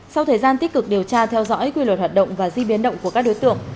sau thời gian tích cực điều tra theo dõi quy luật hoạt động và di biến động của các đối tượng